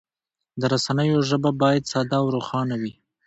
د رسنیو ژبه باید ساده او روښانه وي.